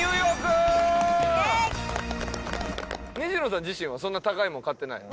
西野さん自身はそんなに高いもの買ってない？